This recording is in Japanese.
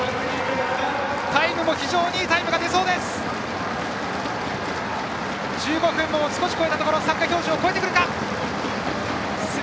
タイムも非常にいいタイム出そうです。